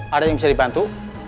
ada yang bisa dibantu